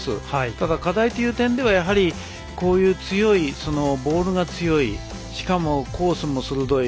ただ、課題という点ではやはり、こういうボールが強いしかも、コースも鋭い。